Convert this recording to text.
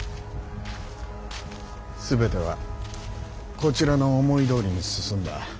全てはこちらの思いどおりに進んだ。